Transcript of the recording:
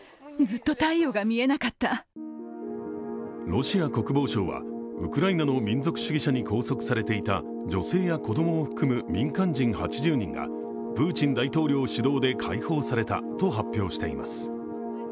ロシア国防省は、ウクライナの民族主義者に拘束されていた女性や子供を含む民間人８０人がプーチン大統領主導で解放されたと発表しています。